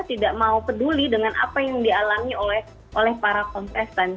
tidak mau peduli dengan apa yang dialami oleh para kontestan